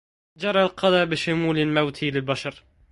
جرى القضا بشمول الموت للبشر